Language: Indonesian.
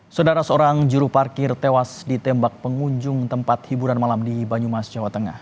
saudara seorang juru parkir tewas ditembak pengunjung tempat hiburan malam di banyumas jawa tengah